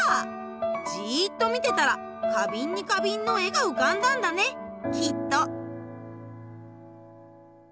ジーッと見てたら花瓶に花瓶の絵がうかんだんだねきっと。